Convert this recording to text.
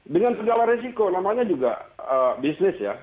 dengan segala resiko namanya juga bisnis ya